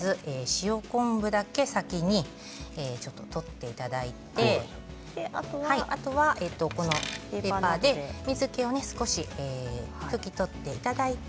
塩昆布だけ先に取っていただいてあとはペーパーで水けを少し拭き取っていただいて。